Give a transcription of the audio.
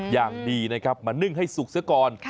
อย่างดีนะครับมานึ่งให้สุกซะก่อน